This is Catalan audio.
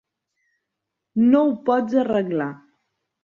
No ho pots arreglar.